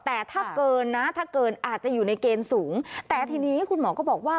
แต่ถ้าเกินนะถ้าเกินอาจจะอยู่ในเกณฑ์สูงแต่ทีนี้คุณหมอก็บอกว่า